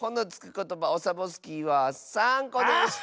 ことばオサボスキーは３こでした！